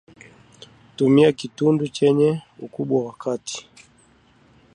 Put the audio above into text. Tumia Kitunguu chenye Ukubwa wa kati